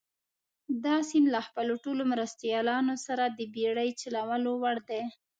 دا سیند له خپلو ټولو مرستیالانو سره د بېړۍ چلولو وړ دي.